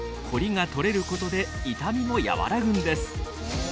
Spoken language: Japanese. コリが取れることで痛みも和らぐんです。